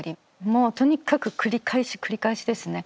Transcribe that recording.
もうとにかく繰り返し繰り返しですね。